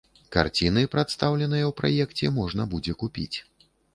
Карціны, прадстаўленыя ў праекце можна будзе купіць.